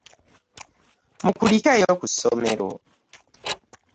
Mukulikeeyo ku ssomero.